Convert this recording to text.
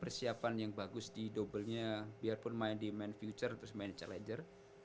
persiapan yang bagus di double nya biarpun main di main future terus main challenger